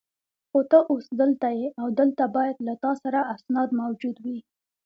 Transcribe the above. خو ته اوس دلته یې او دلته باید له تا سره اسناد موجود وي.